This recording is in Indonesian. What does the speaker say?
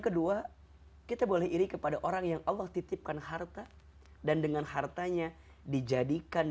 kedua kita boleh iri kepada orang yang allah titipkan harta dan dengan hartanya dijadikan